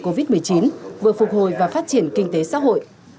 covid một mươi chín vừa phục hồi và phát triển kinh tế xã hội